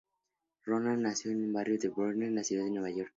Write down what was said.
Ronan nació en el barrio del Bronx de la ciudad de Nueva York.